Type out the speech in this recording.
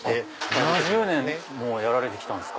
７０年もやられて来たんすか